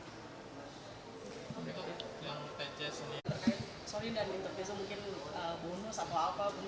sorry dan interpiso mungkin bonus atau apa